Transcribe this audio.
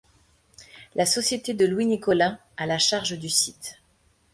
La société de Louis Nicollin a la charge du site.